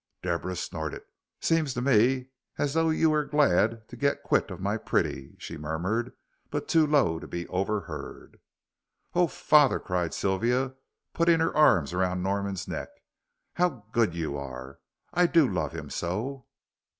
Deborah snorted. "Seems to me as though you was glad to get quit of my pretty," she murmured, but too low to be overheard. "Oh, father," cried Sylvia, putting her arms round Norman's neck, "how good you are! I do love him so."